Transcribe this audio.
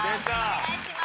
お願いします。